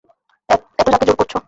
এতো যাতে জোর করছো।